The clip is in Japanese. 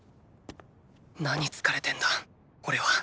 何疲れてんだおれは。